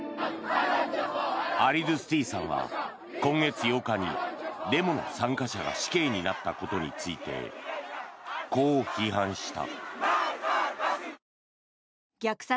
アリドゥスティさんは今月８日にデモの参加者が死刑になったことについてこう批判した。